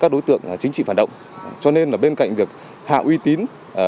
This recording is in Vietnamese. các đối tượng chính trị phản động cho nên bên cạnh việc hạ uy tín